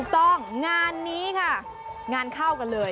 ถูกต้องงานนี้ค่ะงานเข้ากันเลย